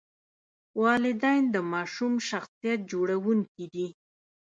والدین د ماشوم شخصیت جوړونکي دي.